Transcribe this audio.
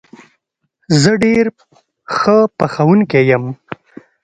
زه ډېر ښه پخوونکی یم